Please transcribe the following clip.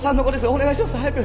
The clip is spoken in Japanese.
お願いします。早く！